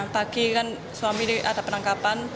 pagi kan suami ada penangkapan